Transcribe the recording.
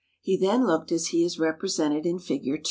He then looked as he is represented in Fig.